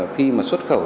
khi mà xuất khẩu